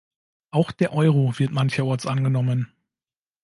Auch der Euro wird mancherorts angenommen.